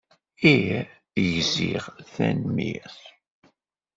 Ih, gziɣ. Tanemmirt.